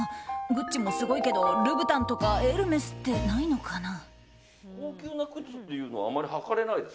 グッチもすごいけどルブタンとかエルメスってないのかな？